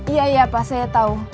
iya iya pak saya tahu